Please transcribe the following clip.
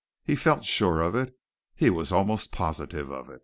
He felt sure of it. He was almost positive of it.